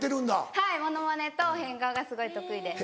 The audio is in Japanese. はいモノマネと変顔がすごい得意です。